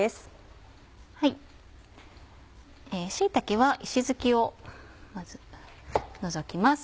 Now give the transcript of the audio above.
椎茸は石づきをまず除きます。